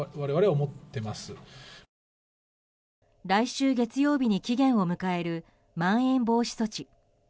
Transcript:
来週月曜日に期限を迎えるまん延防止措置。